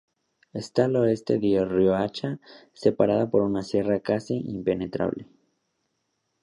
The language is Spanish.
Está al oeste de Riohacha, separada por una sierra casi impenetrable.